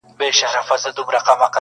هر څوک د پېښې معنا بېله بېله اخلي,